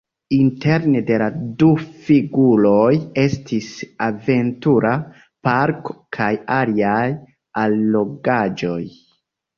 Interne de la du figuroj estis aventura parko kaj aliaj allogaĵoj.